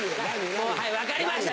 もうはい分かりました。